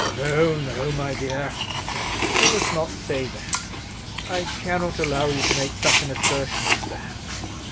"No, no, my dear," he said; "you must not say that. I cannot allow you to make such an assertion as that.